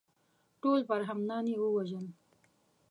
ټول برهمنان یې ووژل.